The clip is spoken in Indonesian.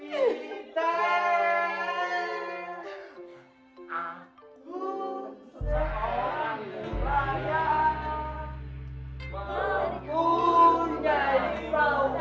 yuk sama papa kita nyari pahing